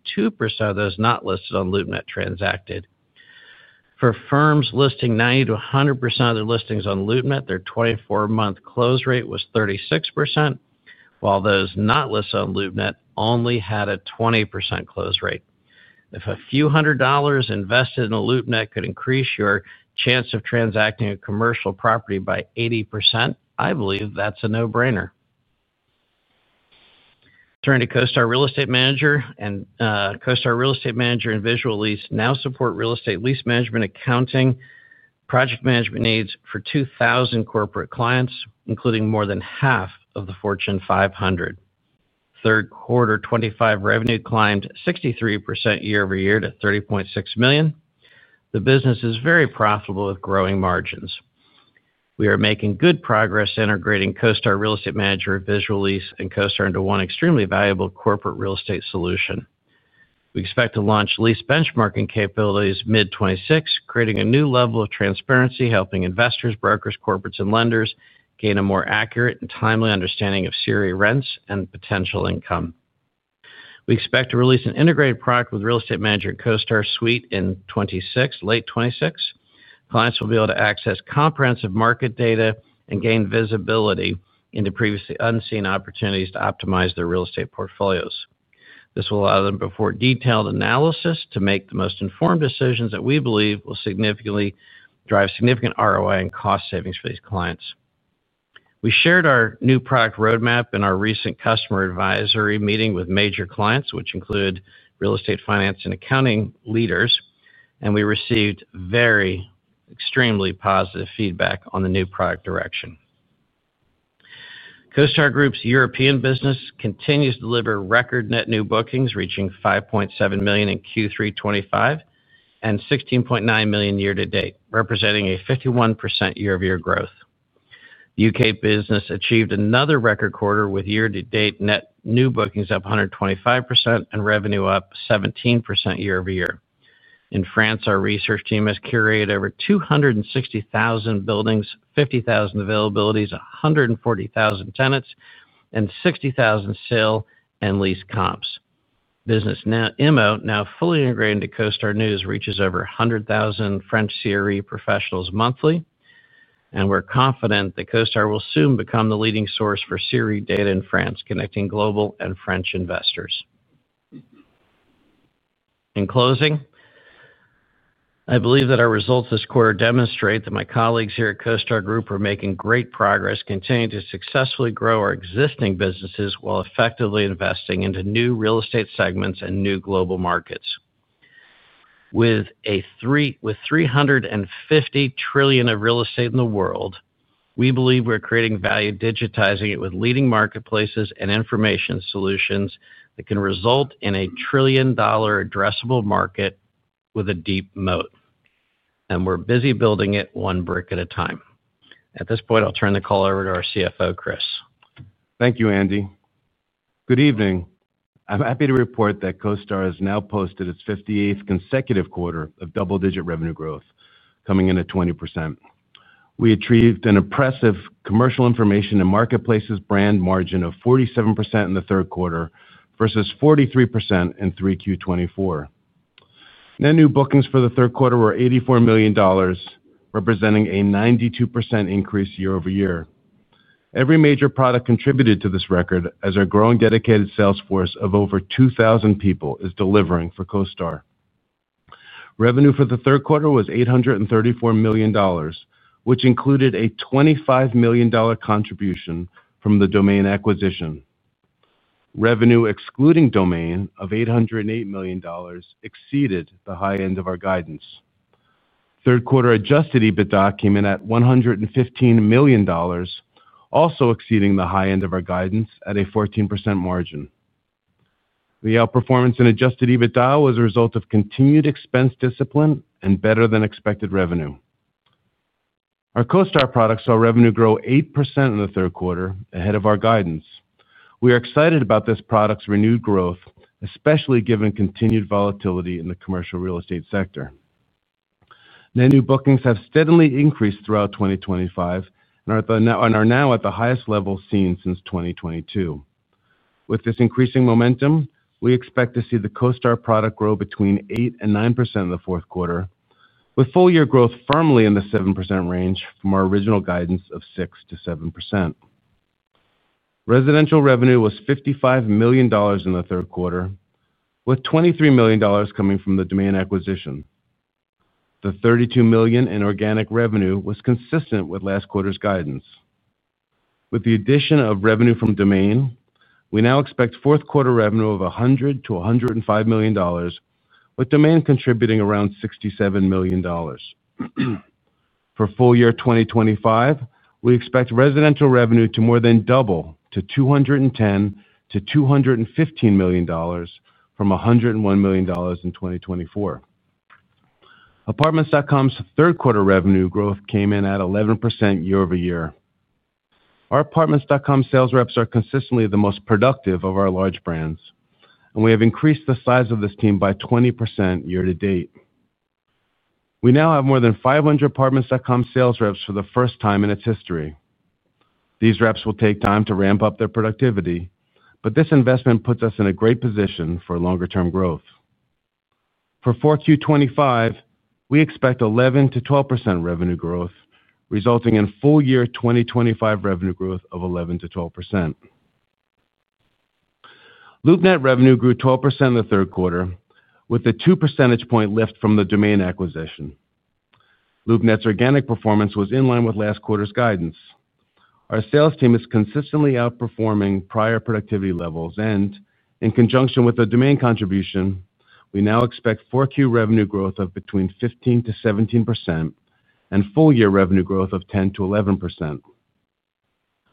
of those not listed on LoopNet transacted. For firms listing 90%-100% of their listings on LoopNet, their 24-month close rate was 36%, while those not listed on LoopNet only had a 20% close rate. If a few hundred dollars invested in LoopNet could increase your chance of transacting a commercial property by 80%, I believe that's a no-brainer. Turning to CoStar Real Estate Manager, CoStar Real Estate Manager and Visual Lease now support real estate lease management, accounting, and project management needs for 2,000 corporate clients, including more than half of the Fortune 500. Third quarter 2025 revenue climbed 63% year-over-year to $30.6 million. The business is very profitable with growing margins. We are making good progress integrating CoStar Real Estate Manager, Visual Lease, and CoStar into one extremely valuable corporate real estate solution. We expect to launch lease benchmarking capabilities mid 2026, creating a new level of transparency, helping investors, brokers, corporates, and lenders gain a more accurate and timely understanding of serious rents and potential income. We expect to release an integrated product with Real Estate Manager and CoStar Suite in 2026, late 2026. Clients will be able to access comprehensive market data and gain visibility into previously unseen opportunities to optimize their real estate portfolios. This will allow them to perform detailed analysis to make the most informed decisions that we believe will significantly drive significant ROI and cost savings for these clients. We shared our new product roadmap in our recent customer advisory meeting with major clients, which include real estate finance and accounting leaders, and we received extremely positive feedback on the new product direction. CoStar Group's European business continues to deliver record net new bookings, reaching $5.7 million in Q3 2025 and $16.9 million year to date, representing a 51% year-over-year growth. The U.K. business achieved another record quarter with year-to-date net new bookings up 125% and revenue up 17% year-over-year. In France, our research team has curated over 260,000 buildings, 50,000 availabilities, 140,000 tenants, and 60,000 sale and lease comps. Business IMO now fully integrated into CoStar News reaches over 100,000 French CRE professionals monthly, and we're confident that CoStar will soon become the leading source for CRE data in France, connecting global and French investors. In closing, I believe that our results this quarter demonstrate that my colleagues here at CoStar Group are making great progress, continuing to successfully grow our existing businesses while effectively investing into new real estate segments and new global markets. With $350 trillion of real estate in the world, we believe we're creating value digitizing it with leading marketplaces and information solutions that can result in a trillion-dollar addressable market with a deep moat. We're busy building it one brick at a time. At this point, I'll turn the call over to our CFO, Chris. Thank you, Andy. Good evening. I'm happy to report that CoStar has now posted its 58th consecutive quarter of double-digit revenue growth, coming in at 20%. We achieved an impressive commercial information and marketplaces brand margin of 47% in the third quarter versus 43% in Q3 2024. Net new bookings for the third quarter were $84 million, representing a 92% increase year-over-year. Every major product contributed to this record as our growing dedicated sales force of over 2,000 people is delivering for CoStar. Revenue for the third quarter was $834 million, which included a $25 million contribution from the Domain acquisition. Revenue excluding Domain of $808 million exceeded the high end of our guidance. Third quarter adjusted EBITDA came in at $115 million, also exceeding the high end of our guidance at a 14% margin. The outperformance in adjusted EBITDA was a result of continued expense discipline and better than expected revenue. Our CoStar product saw revenue grow 8% in the third quarter ahead of our guidance. We are excited about this product's renewed growth, especially given continued volatility in the commercial real estate sector. Net new bookings have steadily increased throughout 2025 and are now at the highest level seen since 2022. With this increasing momentum, we expect to see the CoStar product grow between 8% and 9% in the fourth quarter, with full-year growth firmly in the 7% range from our original guidance of 6%-7%. Residential revenue was $55 million in the third quarter, with $23 million coming from the Domain acquisition. The $32 million in organic revenue was consistent with last quarter's guidance. With the addition of revenue from Domain, we now expect fourth quarter revenue of $100 million to $105 million, with Domain contributing around $67 million. For full-year 2025, we expect residential revenue to more than double to $210 million-$215 million from $101 million in 2024. Apartments.com's third quarter revenue growth came in at 11% year-over-year. Our Apartments.com sales reps are consistently the most productive of our large brands, and we have increased the size of this team by 20% year-to-date. We now have more than 500 Apartments.com sales reps for the first time in its history. These reps will take time to ramp up their productivity, but this investment puts us in a great position for longer-term growth. For Q4 2025, we expect 11%-12% revenue growth, resulting in full-year 2025 revenue growth of 11%-12%. LoopNet revenue grew 12% in the third quarter, with a two percentage point lift from the Domain acquisition. LoopNet's organic performance was in line with last quarter's guidance. Our sales team is consistently outperforming prior productivity levels, and in conjunction with the Domain contribution, we now expect Q4 revenue growth of between 15%-17% and full-year revenue growth of 10%-11%.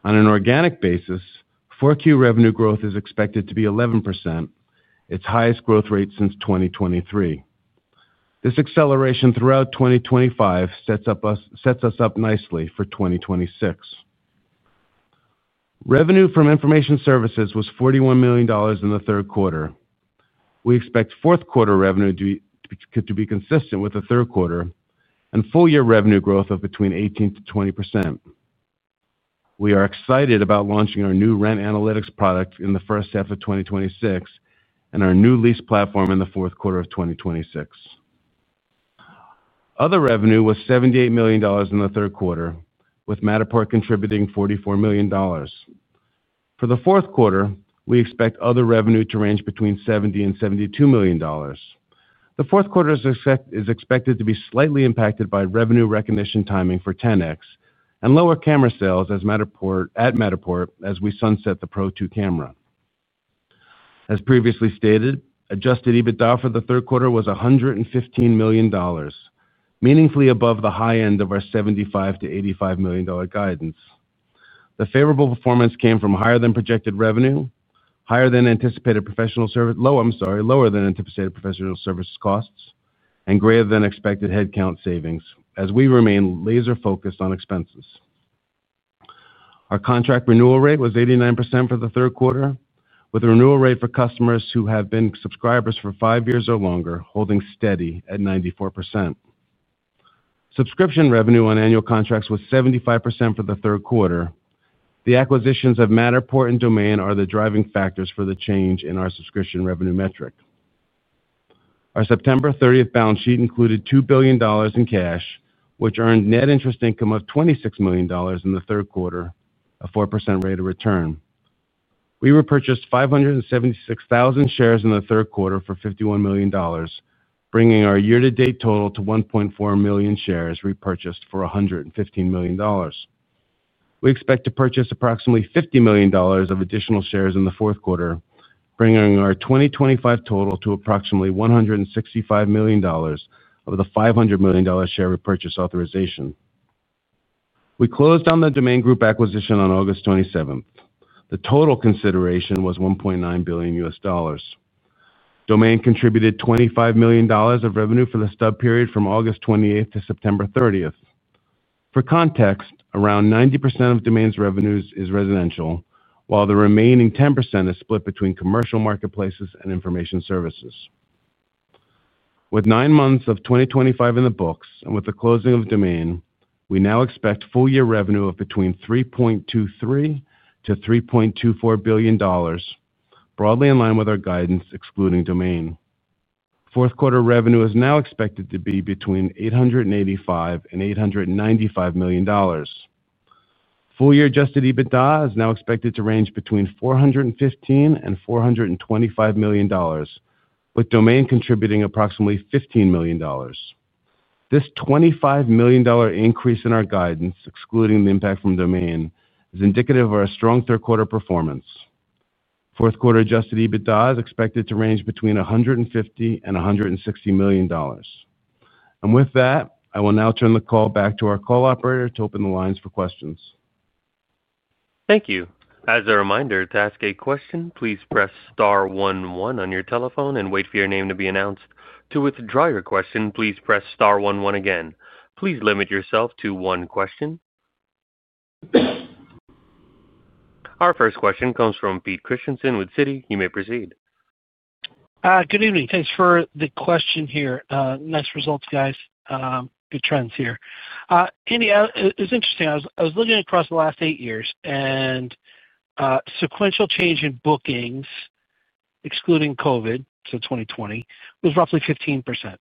On an organic basis, Q4 revenue growth is expected to be 11%, its highest growth rate since 2023. This acceleration throughout 2025 sets us up nicely for 2026. Revenue from information services was $41 million in the third quarter. We expect fourth quarter revenue to be consistent with the third quarter and full-year revenue growth of between 18%-20%. We are excited about launching our new rent analytics product in the first half of 2026 and our new lease platform in the fourth quarter of 2026. Other revenue was $78 million in the third quarter, with Matterport contributing $44 million. For the fourth quarter, we expect other revenue to range between $70 million and $72 million. The fourth quarter is expected to be slightly impacted by revenue recognition timing for 10x and lower camera sales at Matterport as we sunset the Pro2 camera. As previously stated, adjusted EBITDA for the third quarter was $115 million, meaningfully above the high end of our $75 million-$85 million guidance. The favorable performance came from higher than projected revenue, higher than anticipated professional services, lower than anticipated professional services costs, and greater than expected headcount savings, as we remain laser-focused on expenses. Our contract renewal rate was 89% for the third quarter, with the renewal rate for customers who have been subscribers for five years or longer holding steady at 94%. Subscription revenue on annual contracts was 75% for the third quarter. The acquisitions of Matterport and Domain are the driving factors for the change in our subscription revenue metric. Our September 30th balance sheet included $2 billion in cash, which earned net interest income of $26 million in the third quarter, a 4% rate of return. We repurchased 576,000 shares in the third quarter for $51 million, bringing our year-to-date total to 1.4 million shares repurchased for $115 million. We expect to purchase approximately $50 million of additional shares in the fourth quarter, bringing our 2025 total to approximately $165 million of the $500 million share repurchase authorization. We closed on the Domain Holdings acquisition on August 27th. The total consideration was $1.9 billion. Domain contributed $25 million of revenue for the stub period from August 28th to September 30th. For context, around 90% of Domain's revenues is residential, while the remaining 10% is split between commercial marketplaces and information services. With nine months of 2025 in the books and with the closing of Domain, we now expect full-year revenue of between $3.23 billion-$3.24 billion, broadly in line with our guidance excluding Domain. Fourth quarter revenue is now expected to be between $885 million and $895 million. Full-year adjusted EBITDA is now expected to range between $415 million and $425 million, with Domain contributing approximately $15 million. This $25 million increase in our guidance, excluding the impact from Domain, is indicative of our strong third quarter performance. Fourth quarter adjusted EBITDA is expected to range between $150 million and $160 million. I will now turn the call back to our call operator to open the lines for questions. Thank you. As a reminder, to ask a question, please press star one one on your telephone and wait for your name to be announced. To withdraw your question, please press star one one again. Please limit yourself to one question. Our first question comes from Peter Christiansen with Citi. You may proceed. Good evening. Thanks for the question here. Nice results, guys. Good trends here. Andy, it's interesting. I was looking across the last eight years, and sequential change in bookings, excluding COVID, so 2020, was roughly 15%.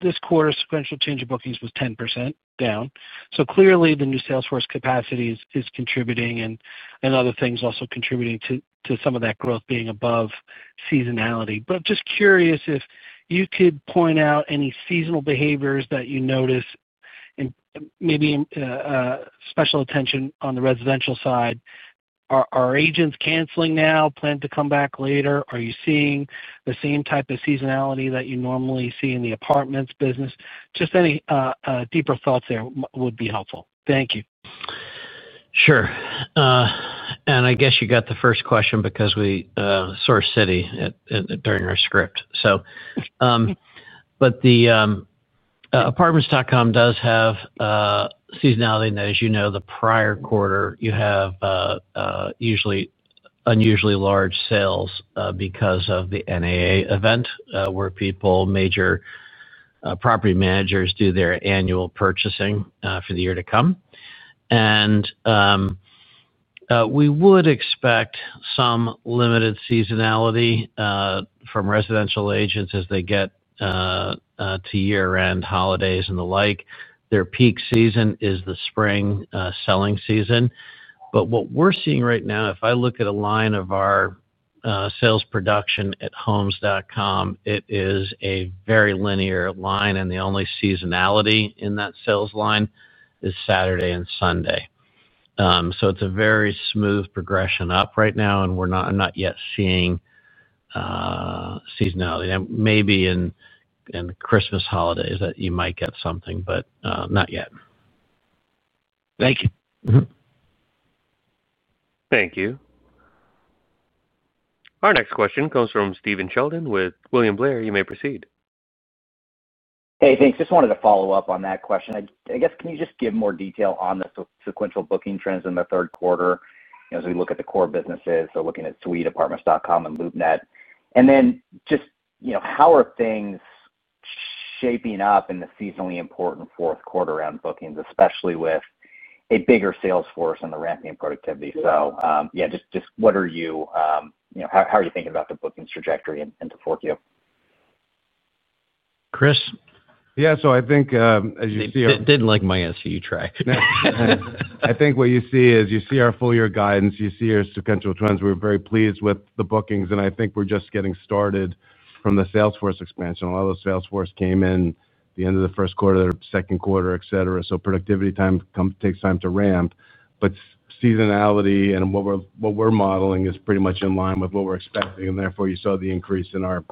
This quarter's sequential change in bookings was 10% down. Clearly, the new salesforce capacity is contributing, and other things also contributing to some of that growth being above seasonality. I'm just curious if you could point out any seasonal behaviors that you notice and maybe special attention on the residential side. Are agents canceling now? Plan to come back later? Are you seeing the same type of seasonality that you normally see in the apartments business? Any deeper thoughts there would be helpful. Thank you. Sure. I guess you got the first question because we sourced Citi during our script. Apartments.com does have seasonality in that, as you know, the prior quarter you have usually unusually large sales because of the NAA event, where major property managers do their annual purchasing for the year to come. We would expect some limited seasonality from residential agents as they get to year-end holidays and the like. Their peak season is the spring selling season. What we're seeing right now, if I look at a line of our sales production at Homes.com, it is a very linear line, and the only seasonality in that sales line is Saturday and Sunday. It's a very smooth progression up right now, and I'm not yet seeing seasonality. Maybe in the Christmas holidays you might get something, but not yet. Thank you. Thank you. Our next question comes from Stephen Sheldon with William Blair. You may proceed. Hey, thanks. Just wanted to follow up on that question. I guess, can you just give more detail on the sequential booking trends in the third quarter as we look at the core businesses? Looking at Suite, Apartments.com, and LoopNet, how are things shaping up in the seasonally important fourth quarter around bookings, especially with a bigger sales force and the ramping in productivity? How are you thinking about the bookings trajectory into Q4? Chris? I think as you see. It didn't like my SEU try. I think what you see is you see our full-year guidance. You see our sequential trends. We're very pleased with the bookings, and I think we're just getting started from the Salesforce expansion. A lot of the salesforce came in at the end of the first quarter, second quarter, et cetera. Productivity takes time to ramp. Seasonality and what we're modeling is pretty much in line with what we're expecting, and therefore you saw the increase in our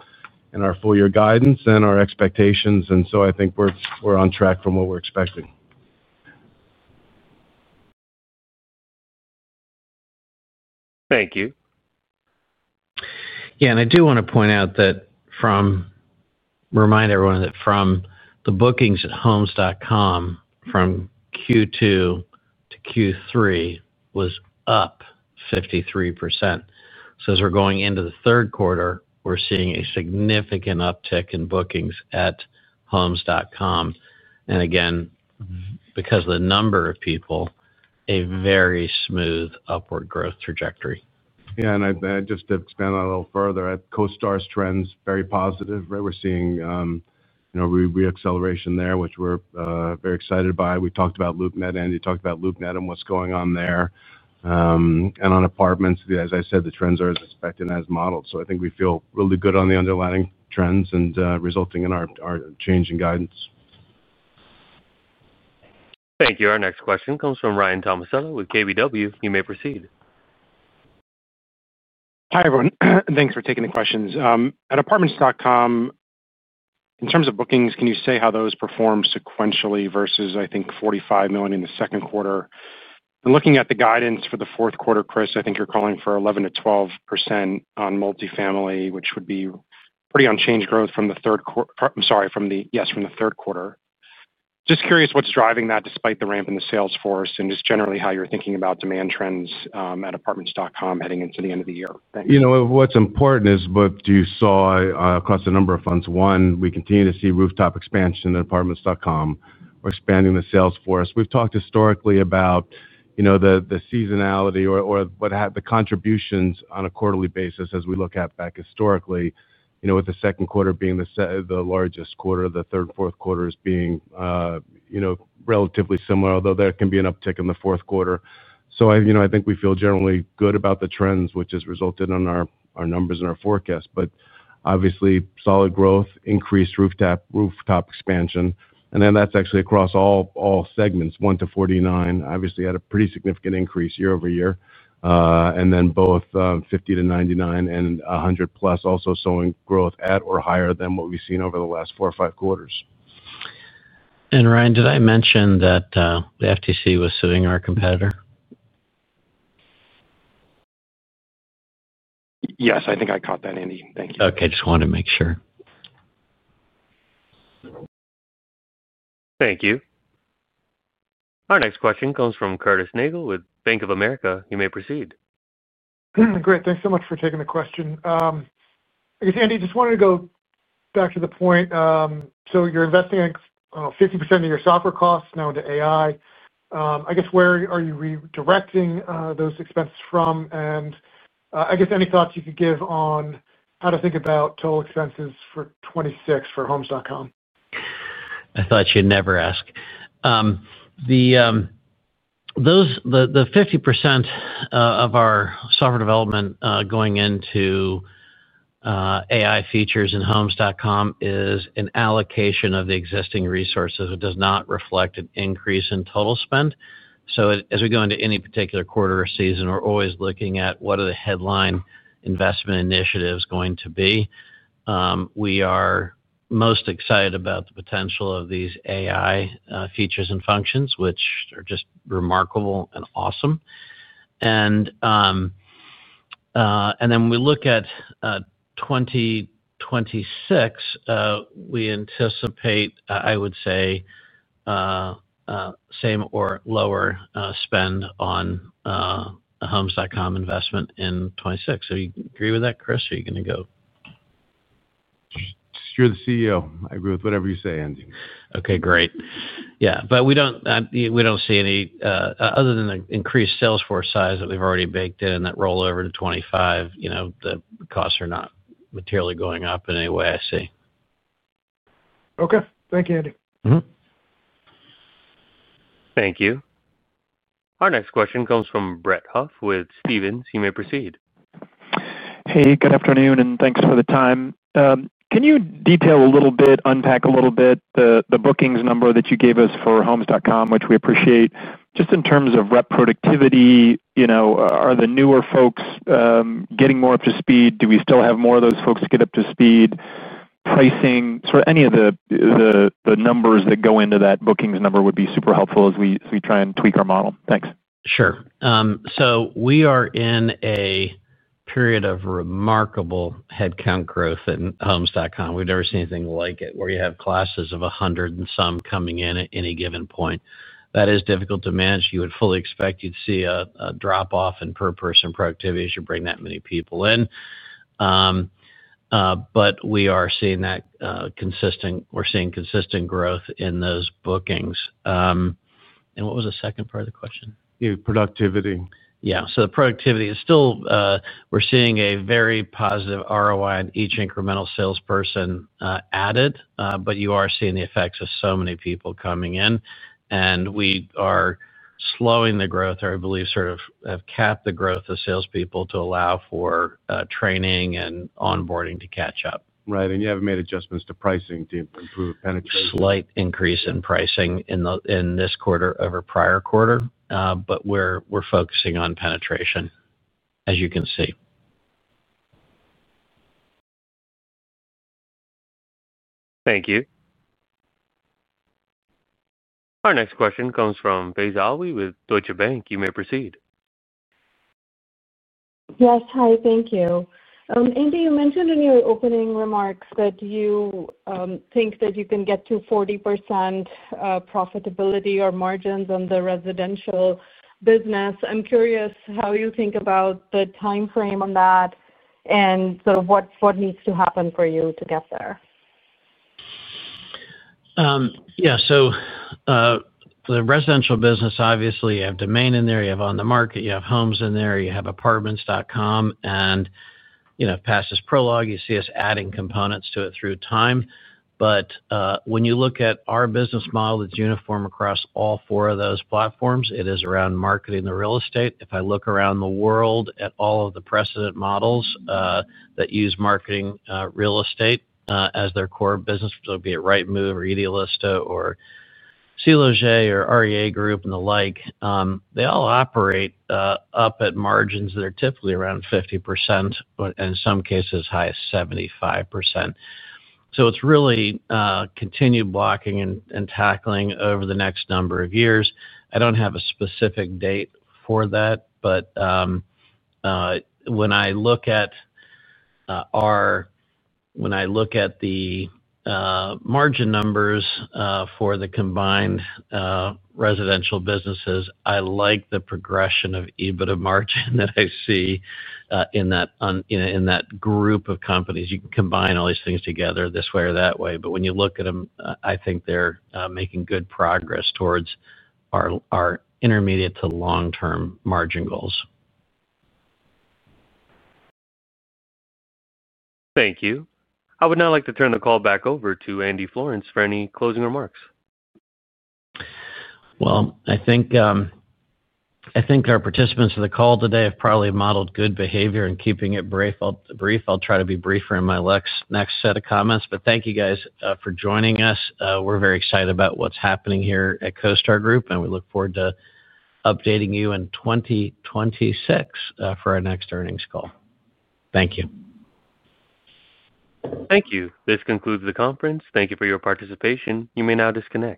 full-year guidance and our expectations. I think we're on track from what we're expecting. Thank you. I do want to point out and remind everyone that the bookings at Homes.com from Q2 to Q3 was up 53%. As we're going into the third quarter, we're seeing a significant uptick in bookings at Homes.com, and again, because of the number of people, a very smooth upward growth trajectory. Yeah, and I'd just expand that a little further. CoStar's trend is very positive. We're seeing re-acceleration there, which we're very excited by. We talked about LoopNet. Andy, you talked about LoopNet and what's going on there. On Apartments.com, as I said, the trends are as expected and as modeled. I think we feel really good on the underlying trends and resulting in our change in guidance. Thank you. Our next question comes from Ryan Tomasello with KBW. You may proceed. Hi, everyone. Thanks for taking the questions. At Apartments.com, in terms of bookings, can you say how those perform sequentially versus, I think, $45 million in the second quarter? Looking at the guidance for the fourth quarter, Chris, I think you're calling for 11%-12% on multifamily, which would be pretty unchanged growth from the third quarter. I'm sorry, yes, from the third quarter. Just curious what's driving that despite the ramp in the sales force and just generally how you're thinking about demand trends at Apartments.com heading into the end of the year. You know, what's important is what you saw across a number of fronts. One, we continue to see rooftop expansion at Apartments.com. We're expanding the sales force. We've talked historically about the seasonality or the contributions on a quarterly basis as we look back historically, with the second quarter being the largest quarter, the third and fourth quarters being relatively similar, although there can be an uptick in the fourth quarter. I think we feel generally good about the trends, which has resulted in our numbers and our forecast. Obviously, solid growth, increased rooftop expansion, and then that's actually across all segments, 1%-49% obviously had a pretty significant increase year-over-year. Both 50%-99% and 100%+ also showing growth at or higher than what we've seen over the last four or five quarters. Ryan, did I mention that the FTC was suing our competitor? Yes, I think I caught that, Andy. Thank you. Okay, I just wanted to make sure. Thank you. Our next question comes from Curtis Nagle with Bank of America. You may proceed. Great. Thanks so much for taking the question. I guess, Andy, I just wanted to go back to the point. You're investing 50% of your software costs now into AI. Where are you redirecting those expenses from? Any thoughts you could give on how to think about total expenses for 2026 for Homes.com? I thought you'd never ask. The 50% of our software development going into AI features in Homes.com is an allocation of the existing resources. It does not reflect an increase in total spend. As we go into any particular quarter or season, we're always looking at what the headline investment initiatives are going to be. We are most excited about the potential of these AI features and functions, which are just remarkable and awesome. When we look at 2026, we anticipate, I would say, same or lower spend on Homes.com investment in 2026. You agree with that, Chris, or are you going to go? You're the CEO. I agree with whatever you say, Andy. Okay, great. Yeah, we don't see any, other than the increased salesforce size that we've already baked in and that rollover to 2025, the costs are not materially going up in any way I see. Okay. Thank you, Andy. Thank you. Our next question comes from Brett Huff with Stephens. You may proceed. Hey, good afternoon, and thanks for the time. Can you detail a little bit, unpack a little bit the bookings number that you gave us for Homes.com, which we appreciate? Just in terms of rep productivity, you know, are the newer folks getting more up to speed? Do we still have more of those folks to get up to speed? Pricing, sort of any of the numbers that go into that bookings number would be super helpful as we try and tweak our model. Thanks. Sure. We are in a period of remarkable headcount growth at Homes.com. We've never seen anything like it, where you have classes of 100 and some coming in at any given point. That is difficult to manage. You would fully expect you'd see a drop-off in per-person productivity as you bring that many people in. We are seeing consistent growth in those bookings. What was the second part of the question? Yeah, productivity. Yeah, the productivity is still, we're seeing a very positive ROI in each incremental salesperson added, but you are seeing the effects of so many people coming in. We are slowing the growth, or I believe sort of have capped the growth of salespeople to allow for training and onboarding to catch up. Right, and you haven't made adjustments to pricing to improve penetration. Slight increase in pricing in this quarter over prior quarter, but we're focusing on penetration, as you can see. Thank you. Our next question comes from [Basal Wit] with Deutsche Bank. You may proceed. Yes, hi, thank you. Andy, you mentioned in your opening remarks that you think that you can get to 40% profitability or margins on the residential business. I'm curious how you think about the timeframe on that and sort of what needs to happen for you to get there. Yeah, the residential business, obviously, you have Domain in there, you have OnTheMarket, you have Homes in there, you have Apartments.com, and past this prologue, you see us adding components to it through time. When you look at our business model, it's uniform across all four of those platforms. It is around marketing the real estate. If I look around the world at all of the precedent models that use marketing real estate as their core business, be it Rightmove or Idealista or [CLoget] or REA Group and the like, they all operate up at margins that are typically around 50%, and in some cases as high as 75%. It's really continued blocking and tackling over the next number of years. I don't have a specific date for that, but when I look at the margin numbers for the combined residential businesses, I like the progression of EBITDA margin that I see in that group of companies. You can combine all these things together this way or that way, but when you look at them, I think they're making good progress towards our intermediate to long-term margin goals. Thank you. I would now like to turn the call back over to Andy Florance for any closing remarks. I think our participants of the call today have probably modeled good behavior in keeping it brief. I'll try to be briefer in my next set of comments, but thank you guys for joining us. We're very excited about what's happening here at CoStar Group, and we look forward to updating you in 2026 for our next earnings call. Thank you. Thank you. This concludes the conference. Thank you for your participation. You may now disconnect.